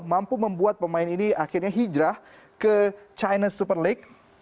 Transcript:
mampu membuat pemain ini akhirnya hijrah ke china super league